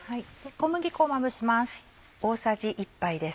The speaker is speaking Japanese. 小麦粉をまぶします。